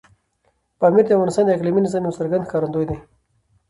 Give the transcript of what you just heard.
پامیر د افغانستان د اقلیمي نظام یو څرګند ښکارندوی دی.